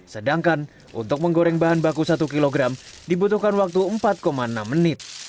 sedangkan untuk menggoreng bahan baku satu kg dibutuhkan waktu empat enam menit